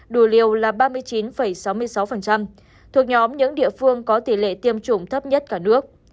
đùi liều là ba mươi chín sáu mươi sáu thuộc nhóm những địa phương có tỷ lệ tiêm chủng thấp nhất cả nước